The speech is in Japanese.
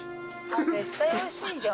絶対おいしいじゃん。